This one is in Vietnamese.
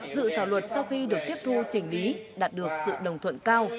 dự thảo luật sau khi được tiếp thu chỉnh lý đạt được sự đồng thuận cao